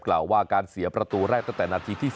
กล่าวว่าการเสียประตูแรกตั้งแต่นาทีที่๓